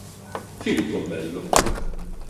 Filippo il bello